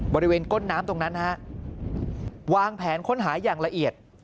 ก้นน้ำตรงนั้นฮะวางแผนค้นหาอย่างละเอียด